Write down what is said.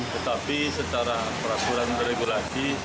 tetapi setelah peraturan regulasi